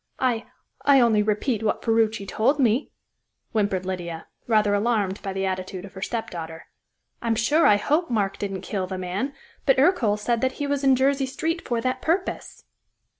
"I I only repeat what Ferruci told me," whimpered Lydia, rather alarmed by the attitude of her stepdaughter. "I'm sure I hope Mark didn't kill the man, but Ercole said that he was in Jersey Street for that purpose."